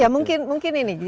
ya mungkin mungkin ini